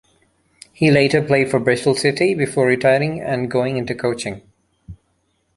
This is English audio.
He later played for Bristol City before retiring and going into coaching.